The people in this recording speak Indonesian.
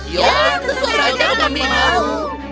ya tentu saja kami mau